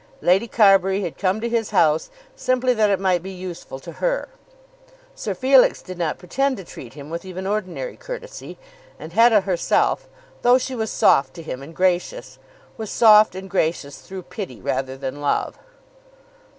Lady Carbury had come to his house simply that it might be useful to her; Sir Felix did not pretend to treat him with even ordinary courtesy; and Hetta herself, though she was soft to him and gracious, was soft and gracious through pity rather than love.